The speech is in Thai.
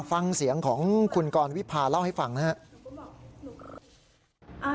ฟังเสียงของคุณกรวิพาเล่าให้ฟังนะครับ